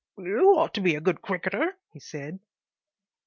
"YOU ought to be a good cricketer," he said.